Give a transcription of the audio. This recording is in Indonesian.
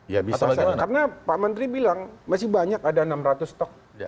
karena pak menteri bilang masih banyak ada enam ratus stok